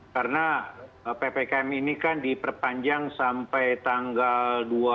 karena ppkm ini kan diperpanjang sampai tanggal dua puluh lima